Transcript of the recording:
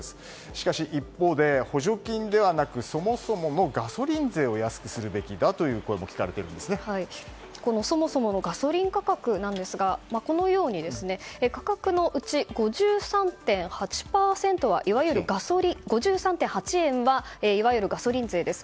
しかし一方で補助金ではなくそもそものガソリン税を安くするべきだという声もそもそものガソリン価格なんですが価格のうち５３．８円はいわゆるガソリン税です。